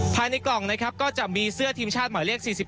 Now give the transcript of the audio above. ภายในกล่องนะครับก็จะมีเสื้อทีมชาติหมายเลข๔๑